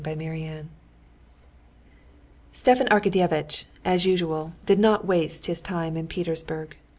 Chapter 20 Stepan Arkadyevitch, as usual, did not waste his time in Petersburg.